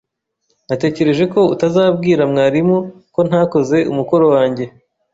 Natekereje ko utazabwira mwarimu ko ntakoze umukoro wanjye.